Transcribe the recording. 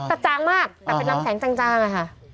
ตัดจางมากทำให้ลำแสงจางนะคะ